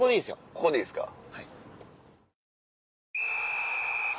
ここでいいですよ。